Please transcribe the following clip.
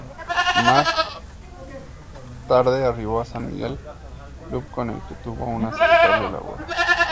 Más tarde, arribó a San Miguel, club con el que tuvo una aceptable labor.